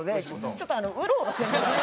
ちょっとうろうろせんといて！